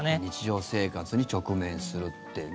日常生活に直面するって。